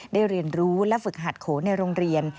เรียนรู้และฝึกหัดโขในโรงเรียน